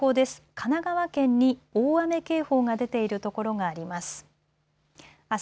神奈川県に大雨警報が出ているところがあります。